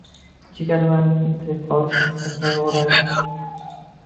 Jigarbandini tirik qolishi haqida qaygʻurdi